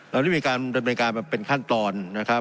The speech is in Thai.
เราเรียกในการเป็นขั้นตอน